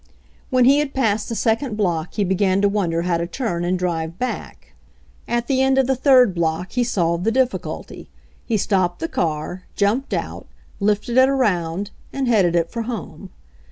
When he had passed the second block he be gan to wonder how to turn and drive back. At A RIDE IN THE RAIN 91 the end of the third block he solved the difficulty. He stopped the car, jumped out, lifted it around, and headed it for home.